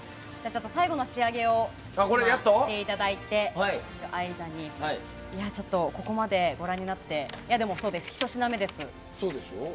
最後の仕上げをしていただいている間にここまでご覧になってまだ１品目です。